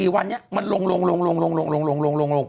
๔วันนี้มันลง